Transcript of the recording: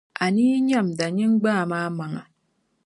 A ni yi nyamda nyin’ gbaam’ amaŋa.